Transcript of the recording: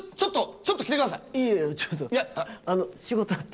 ちょっと来てください。